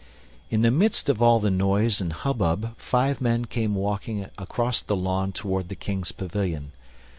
In the midst of all the noise and hubbub five men came walking across the lawn toward the King's pavilion.